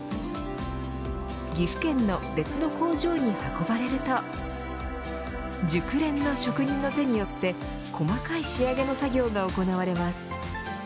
岐阜県の別の工場に運ばれると熟練の職人の手によって細かい仕上げの作業が行われます。